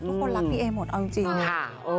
ทุกคนรักพี่เอหมดเอาจริงค่ะ